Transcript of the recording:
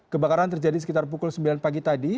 kebakaran terjadi sekitar pukul sembilan pagi tadi